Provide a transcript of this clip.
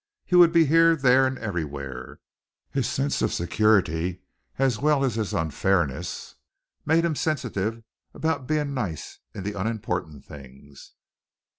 He would be here, there, and everywhere. His sense of security as well as of his unfairness made him sensitive about being nice in the unimportant things.